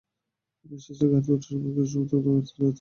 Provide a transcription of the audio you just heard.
Match শেষে করে গাড়িতে ওঠার সময় কিছু সমর্থক গাড়িতে লাথিও দিয়েছে।